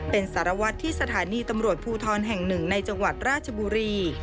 เป็นสารวัตรที่สถานีตำรวจภูทรแห่งหนึ่งในจังหวัดราชบุรี